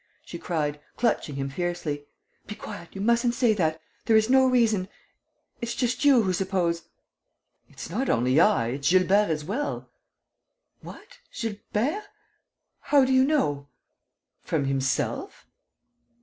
she cried, clutching him fiercely. "Be quiet!... You mustn't say that.... There is no reason.... It's just you who suppose...." "It's not only I, it's Gilbert as well...." "What? Gilbert? How do you know?" "From himself?"